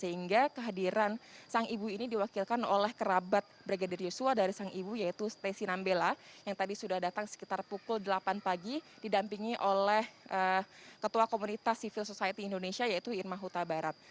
sehingga kehadiran sang ibu ini diwakilkan oleh kerabat brigadir yosua dari sang ibu yaitu stay nambela yang tadi sudah datang sekitar pukul delapan pagi didampingi oleh ketua komunitas civil society indonesia yaitu irma huta barat